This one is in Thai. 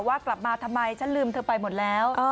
ว่ากลับมาทำไมฉันลืมเธอไปหมดแล้ว